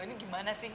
ini gimana sih